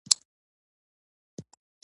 ترکي متل وایي غلطه لاره پرېږدئ او را وګرځئ.